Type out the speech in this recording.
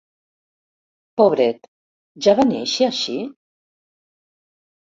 Pobret, ja va néixer així?